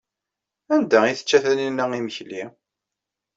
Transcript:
Anda ay tečča Taninna imekli?